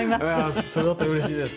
それだったらうれしいです。